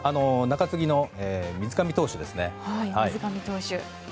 中継ぎの水上投手ですね。